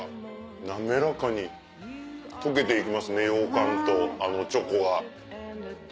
滑らかに溶けていきますね羊羹とチョコが。